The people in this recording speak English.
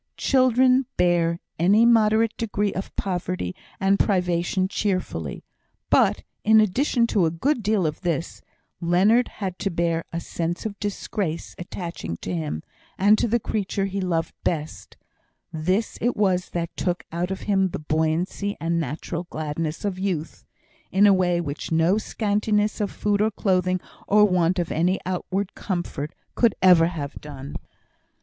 Children bear any moderate degree of poverty and privation cheerfully; but, in addition to a good deal of this, Leonard had to bear a sense of disgrace attaching to him and to the creature he loved best; this it was that took out of him the buoyancy and natural gladness of youth, in a way which no scantiness of food or clothing, or want of any outward comfort, could ever have done.